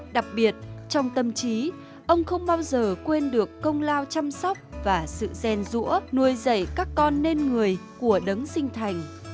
đặc biệt trong tâm trí ông không bao giờ quên được công lao chăm sóc và sự ghen rũa nuôi dậy các con nên người của đấng sinh thành